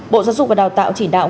bộ giáo dục và đào tạo chỉ đạo